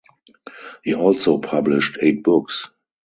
He also published eight books.